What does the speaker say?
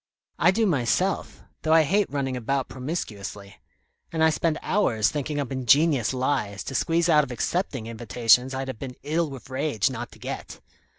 I do myself though I hate running about promiscuously; and I spend hours thinking up ingenious lies to squeeze out of accepting invitations I'd have been ill with rage not to get.